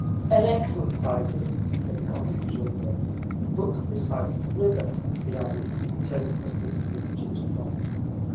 "An excellent idea," said Kostanzhoglo. "But precisely whither?" he added, turning hospitably to Chichikov.